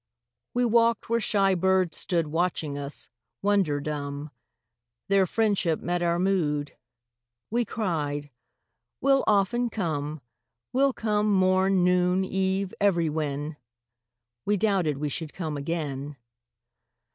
We walked where shy birds stood Watching us, wonder dumb; Their friendship met our mood; We cried: "We'll often come: We'll come morn, noon, eve, everywhen!" —We doubted we should come again.